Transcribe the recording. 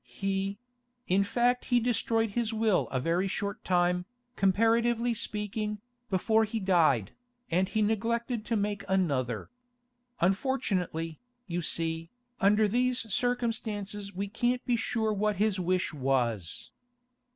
He—in fact he destroyed his will a very short time, comparatively speaking, before he died, and he neglected to make another. Unfortunately, you see, under these circumstances we can't be sure what his wish was.